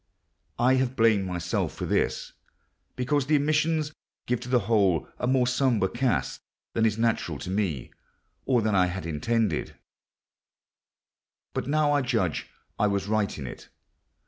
I have blamed myself for this, because the omissions give to the whole a more sombre cast than is natural to me, or than I had intended; but now I judge I was right in it.